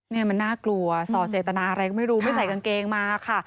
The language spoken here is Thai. นี่มันน่ากลัวส่อเจตนาอะไรก็ไม่รู้ไม่ใส่กางเกงมาค่ะ